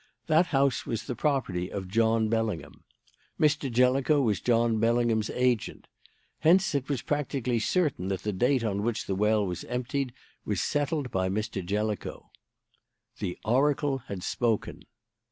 That house was the property of John Bellingham. Mr. Jellicoe was John Bellingham's agent. Hence it was practically certain that the date on which the well was emptied was settled by Mr. Jellicoe. "The Oracle had spoken.